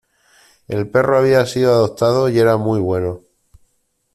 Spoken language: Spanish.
El perro había sido adoptado y era muy bueno.